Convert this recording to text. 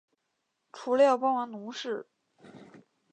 除了要帮忙农事